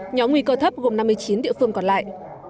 nhóm nguy cơ thấp gồm năm mươi chín địa phương còn lại